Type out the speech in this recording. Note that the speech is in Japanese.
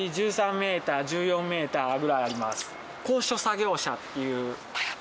メーター１４メーターぐらいあります。